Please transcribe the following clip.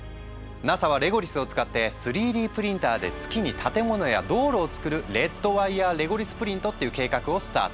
ＮＡＳＡはレゴリスを使って３Ｄプリンターで月に建物や道路を造る「レッドワイヤーレゴリスプリント」っていう計画をスタート。